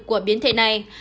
của biến thể này